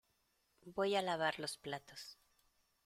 Voy a lavar los platos.